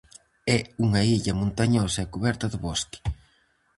É unha illa montañosa e cuberta de bosque.